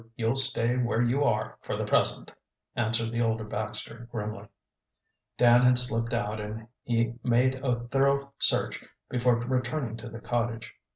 You'll stay right where you are for the present," answered the older Baxter grimly. Dan had slipped out and he made a thorough search before returning to the cottage.